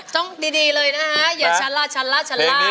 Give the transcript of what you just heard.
ต้องดีเลยนะคะเย็นชันละชันละชันละ